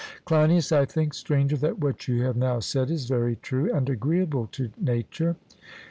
CLEINIAS: I think, Stranger, that what you have now said is very true and agreeable to nature.